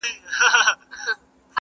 حقيقت د دود للاندي پټيږي تل,